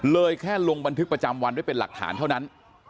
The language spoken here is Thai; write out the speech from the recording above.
แค่ลงบันทึกประจำวันไว้เป็นหลักฐานเท่านั้น